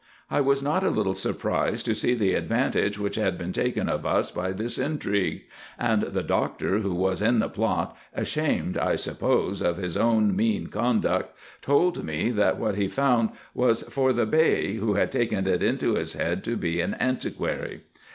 I was not a little surprised, to see the advantage which had heen taken of us by this intrigue ; and the Doctor, who was in the plot, ashamed, I suppose, of his own mean conduct, told me, that what he found was for the Bey, who had taken it into his head to be an antiquary.